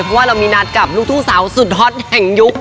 เพราะว่าเรามีนัดกับลูกทุ่งสาวสุดฮอตแห่งยุค